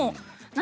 何？